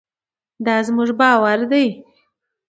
دا زموږ باور دی.